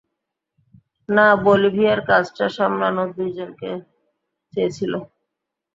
না, বলিভিয়ার কাজটা সামলানো দুইজনকে চেয়েছিল।